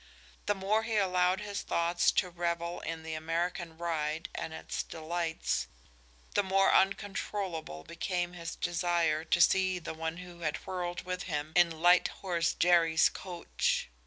The more he allowed his thoughts to revel in the American ride and its delights, the more uncontrollable became his desire to see the one who had whirled with him in "Light horse Jerry's" coach.